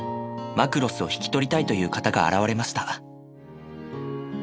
マクロスを引き取りたいという方が現れました。